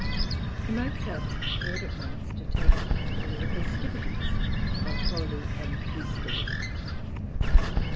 The Mozarts prepared at once to take part in all the festivities of Holy and Easter weeks.